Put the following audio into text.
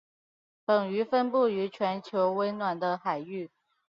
本鱼分布于全球温暖的海域。